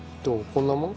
こんなもん？